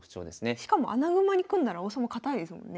しかも穴熊に組んだら王様堅いですもんね。